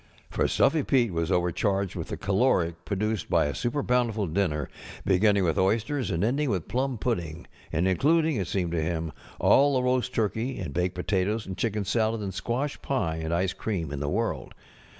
For Stuffy Pete was overcharged with the caloric produced by a super bountiful dinner, beginning with oysters and ending with plum pudding, and including (it seemed to him) all the roast turkey and baked potatoes and chicken salad and squash pie and ice cream in the world.